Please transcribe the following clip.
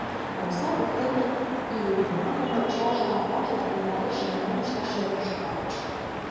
Омса воктен Иллимарын ачаже, аваже да вуйлатыше нимо ышташ ӧрын шогылтыч.